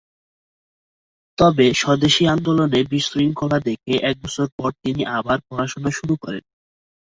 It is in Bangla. তবে স্বদেশী আন্দোলনে বিশৃঙ্খলা দেখে এক বছর পর তিনি আবার পড়াশোনা শুরু করেন।